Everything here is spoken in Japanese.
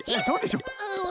そうでしょう。